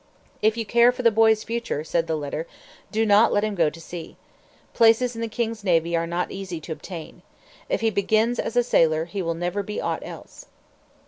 "If you care for the boy's future," said the letter, "do not let him go to sea. Places in the king's navy are not easy to obtain. If he begins as a sailor, he will never be aught else."